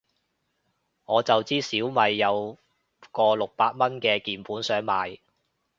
我就知小米有個六百蚊嘅鍵盤想買